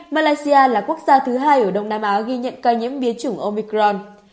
malaysia là quốc gia thứ hai ở đông nam á ghi nhận ca nhiễm biến chủng omicron